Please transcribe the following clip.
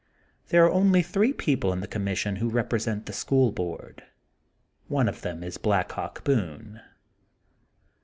There are only three people in the commission who represent the School Board, one of them is Black Hawk Boone.